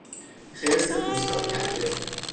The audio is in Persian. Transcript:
خرس پوست آکنده